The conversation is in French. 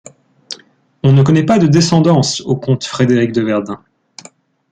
On ne connait pas de descendance au comte Frédéric de Verdun.